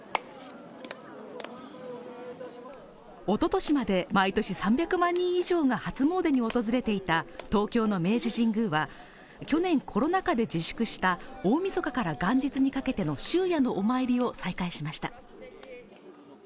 おととしまで毎年３００万人以上が初詣に訪れていた東京の明治神宮は去年コロナ禍で自粛した大みそかから元日にかけての終夜のお参りを再開しました。